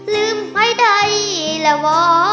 ลืมให้ได้แล้วอ้อ